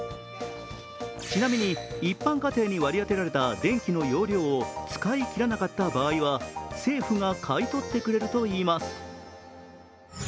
ちなみに一般家庭に割り当てられた電気の容量を使い切らなかった場合は、政府が買い取ってくれるといいます。